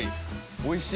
おいしい！